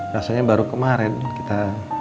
rasanya baru kemarin kita